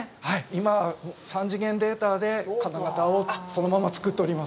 今は３次元データで金型をそのまま作っております。